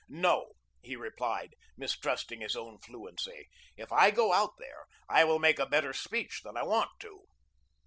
"No," he replied, mistrusting his own fluency; "if I go out there, I will make a better speech than I want to."